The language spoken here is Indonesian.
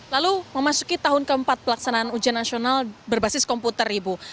lalu memasuki tahun keempat pelaksanaan ujian nasional berbasis komputer ibu